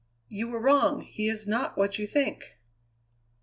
"You were wrong; he is not what you think."